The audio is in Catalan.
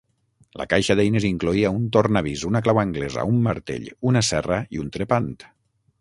La caixa d'eines incloïa un tornavís, una clau anglesa, un martell, una serra i un trepant